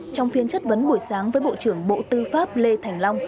trong phiên chất vấn buổi sáng với bộ trưởng bộ tư pháp lê thành long